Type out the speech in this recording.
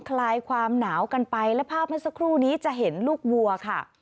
คลายความหนาวกันไปและภาพเมื่อสักครู่นี้จะเห็นลูกวัวค่ะ